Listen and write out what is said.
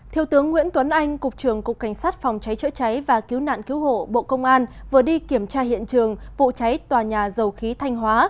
thiếu tướng nguyễn tuấn anh cục trưởng cục cảnh sát phòng cháy chữa cháy và cứu nạn cứu hộ bộ công an vừa đi kiểm tra hiện trường vụ cháy tòa nhà dầu khí thanh hóa